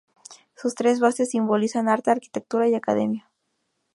Su tres bases simbolizan arte, arquitectura y academia.